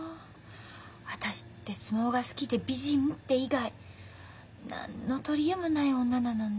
私って相撲が好きで美人って以外何の取り柄もない女なのね。